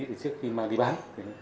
trước khi mang đi bán